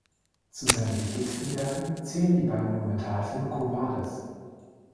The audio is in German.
Zu seinen wichtigsten Werken zählen die beiden Monumentalfilme "Quo vadis?